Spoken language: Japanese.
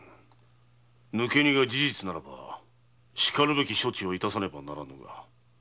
抜け荷が事実ならばしかるべき処置を致さねばならぬな。